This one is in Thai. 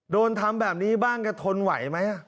โดนทำแบบนี้บ้างจะทนไหวไหม